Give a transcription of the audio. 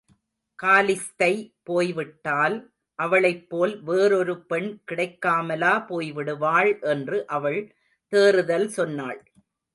காலிஸ்தை போய்விட்டால், அவளைப் போல் வேறொரு பெண் கிடைக்காமலா போய்விடுவாள் என்று அவள் தேறுதல் சொன்னாள்.